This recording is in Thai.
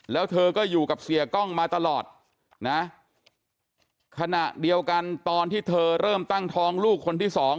แล้วเธอก็อยู่กับเสียกล้องมาตลอดนะขณะเดียวกันตอนที่เธอเริ่มตั้งท้องลูกคนที่สอง